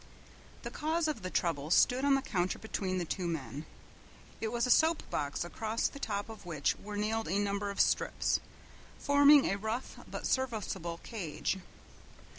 The cause of the trouble stood on the counter between the two men. It was a soap box across the top of which were nailed a number of strips, forming a rough but serviceable cage.